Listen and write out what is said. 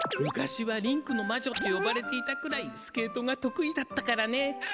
昔は「リンクのまじょ」ってよばれていたくらいスケートがとく意だったからね。